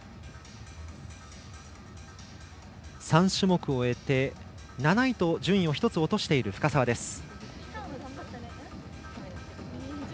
３種目終えて、７位と順位を１つ落としている深沢です。